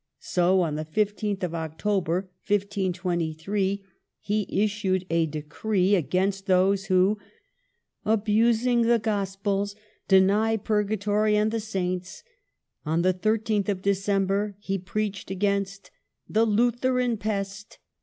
So, on the 15th of October, 1523, he is sued a decree against those who, abusing the gospels, deny purgatory and the saints ; on the 13th of December he preached against the Lutheran pest."